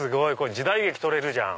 時代劇撮れるじゃん。